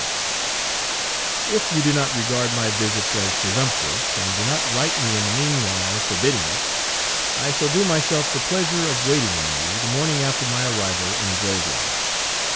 Page 106 If you do not regard my visit as presumptuous, and do not write me in the mean while forbidding it, I shall do myself the pleasure of waiting on you the morning after my arrival in Groveland.